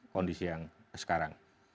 kondisi yang sekarang